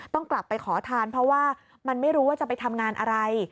ต้องกลับไปขอทานเพราะว่ามันไม่รู้ว่าจะไปทำงานอะไร